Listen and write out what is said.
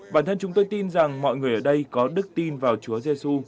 bản thân chúng tôi tin rằng mọi người ở đây có đức tin vào chúa giê xu